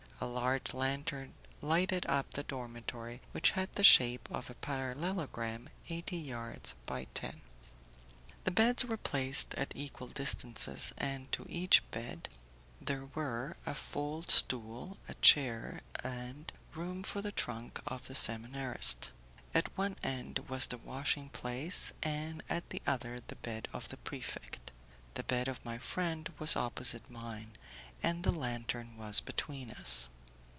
A large lantern lighted up the dormitory, which had the shape of a parallelogram eighty yards by ten. The beds were placed at equal distances, and to each bed there were a fold stool, a chair, and room for the trunk of the Seminarist. At one end was the washing place, and at the other the bed of the prefect. The bed of my friend was opposite mine, and the lantern was between us.